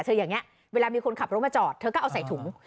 อย่างนี้เวลามีคนขับรถมาจอดเธอก็เอาใส่ถุง